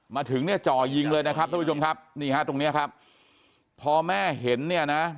มาถึงเนี่ยจ่อยิงเลยนะครับท่านผู้ชมครับนี่ฮะตรงเนี้ยครับพอแม่เห็นเนี่ยนะ